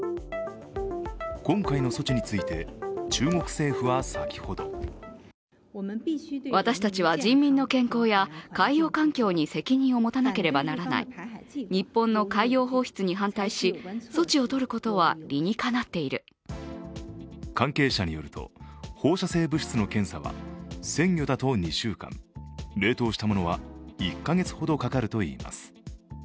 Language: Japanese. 今回の措置について中国政府は先ほど関係者によると、放射性物質の検査は鮮魚だと２週間、冷凍したものは１か月ほどかかるといいます。